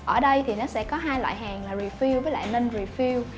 ở đây thì nó sẽ có hai loại hàng là refuse và ninh refuse